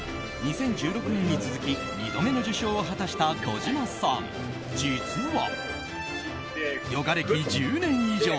２０１６年に続き２度目の受賞を果たした児嶋さん、実はヨガ歴１０年以上。